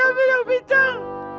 belum belum belum